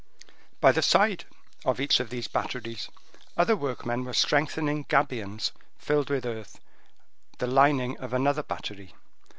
By the side of each of these batteries other workmen were strengthening gabions filled with earth, the lining of another battery.